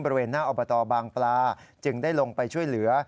บริเวณหน้าอบตบางปลาจึงได้ลงไปช่วยเหลือ